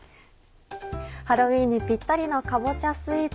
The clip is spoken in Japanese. ハロウィーンにぴったりのかぼちゃスイーツ